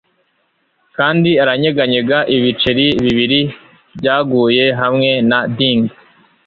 Kandi aranyeganyega ibiceri bibiri byaguye hamwe na ding